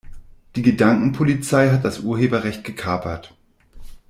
Die Gedankenpolizei hat das Urheberrecht gekapert.